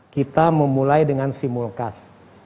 kita memulai dengan simul kas